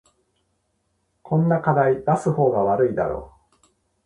こんな課題出す方が悪いだろ